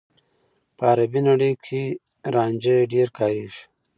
په عربي نړۍ کې رانجه ډېر کارېږي.